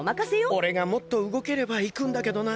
おれがもっとうごければいくんだけどな。